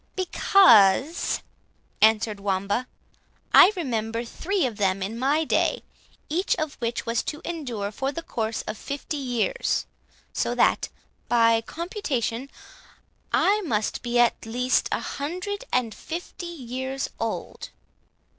"Because," answered Wamba, "I remember three of them in my day, each of which was to endure for the course of fifty years; so that, by computation, I must be at least a hundred and fifty years old."